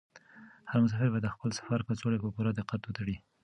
هر مسافر باید د خپل سفر کڅوړه په پوره دقت وتړي.